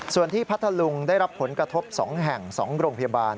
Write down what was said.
ส่วนที่พัทธลุงได้รับผลกระทบ๒แห่ง๒โรงพยาบาล